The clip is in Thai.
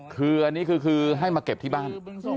คืออันนี้คือให้มาเก็บที่บ้าน